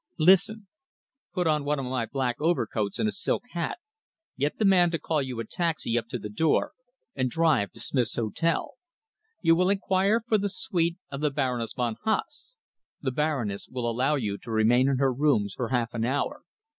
Listen. Put on one of my black overcoats and a silk hat, get the man to call you a taxi up to the door, and drive to Smith's Hotel. You will enquire for the suite of the Baroness von Haase. The Baroness will allow you to remain in her rooms for half an hour.